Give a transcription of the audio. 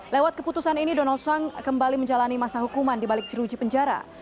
lewat keputusan ini donald trump kembali menjalani masa hukuman di balik jeruji penjara